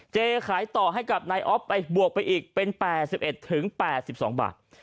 ขายต่อให้กับนายอ๊อฟไปบวกไปอีกเป็น๘๑๘๒บาท